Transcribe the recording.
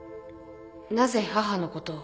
なぜ母のことを？